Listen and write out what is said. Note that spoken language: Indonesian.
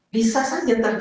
bisa saja terjadi